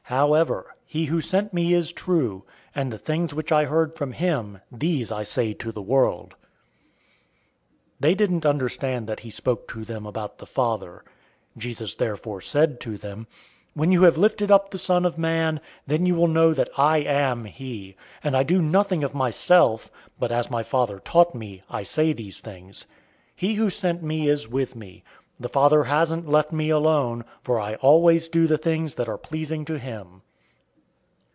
However he who sent me is true; and the things which I heard from him, these I say to the world." 008:027 They didn't understand that he spoke to them about the Father. 008:028 Jesus therefore said to them, "When you have lifted up the Son of Man, then you will know that I am he, and I do nothing of myself, but as my Father taught me, I say these things. 008:029 He who sent me is with me. The Father hasn't left me alone, for I always do the things that are pleasing to him."